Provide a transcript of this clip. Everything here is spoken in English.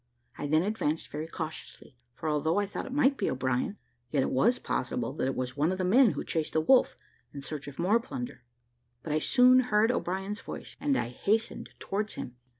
I then advanced very cautiously, for although I thought it might be O'Brien, yet it was possible that it was one of the men who chased the wolf, in search of more plunder. But I soon heard O'Brien's voice; and I hastened towards him.